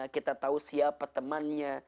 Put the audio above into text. kita tahu siapa temannya